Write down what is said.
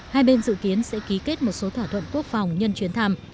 hai bên dự kiến sẽ ký kết một số thỏa thuận quốc phòng nhân chuyến thăm